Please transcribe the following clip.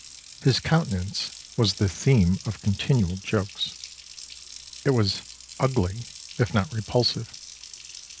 ] "His countenance was the theme of continual jokes. It was 'ugly,' if not repulsive.